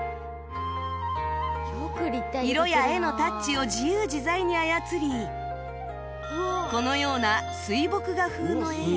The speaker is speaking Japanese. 色や絵のタッチを自由自在に操りこのような水墨画風の絵や